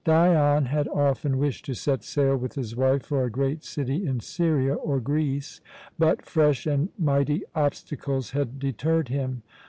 Dion had often wished to set sail with his wife for a great city in Syria or Greece, but fresh and mighty obstacles had deterred him.